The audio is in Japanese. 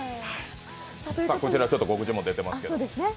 こちら、告知も出てますけど。